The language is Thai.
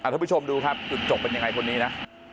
ทุกผู้ชมดูครับจุดจบเป็นยังไงคนนี้นะ